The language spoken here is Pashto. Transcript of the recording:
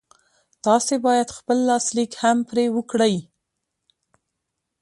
تاسې بايد خپل لاسليک هم پرې وکړئ.